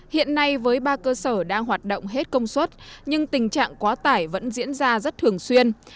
hiện nay với ba cơ sở đang hoạt động hết công suất nhưng tình trạng quá tải vẫn diễn ra rất thường xuyên